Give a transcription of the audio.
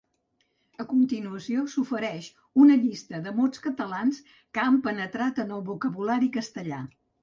A continuació s'ofereix una llista dels mots catalans que han penetrat en el vocabulari castellà.